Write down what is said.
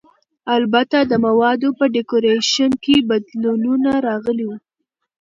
البته د موادو په ډیکورېشن کې بدلونونه راغلي ول.